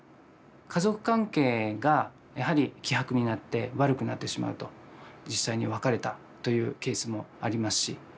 家族関係がやはり希薄になって悪くなってしまうと実際に別れたというケースもありますし。